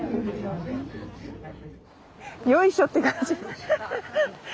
よいしょって感じ。